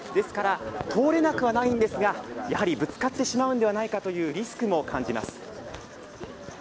通れなくはないんですがぶつかってしまうんではないかというリスクも感じます。